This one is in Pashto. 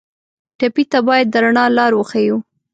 ټپي ته باید د رڼا لار وښیو.